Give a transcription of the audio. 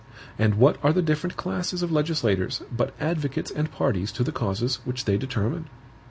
And what are the different classes of legislators but advocates and parties to the causes which they determine?